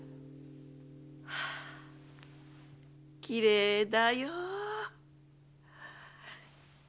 きれいだよ。